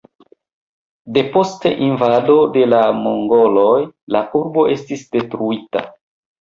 Depost invado de la mongoloj la urbo estis detruita.